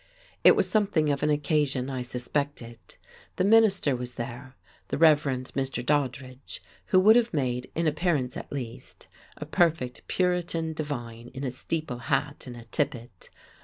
It was something of an occasion, I suspected. The minister was there, the Reverend Mr. Doddridge, who would have made, in appearance at least, a perfect Puritan divine in a steeple hat and a tippet.